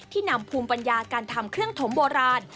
นำภูมิปัญญาการทำเครื่องถมโบราณ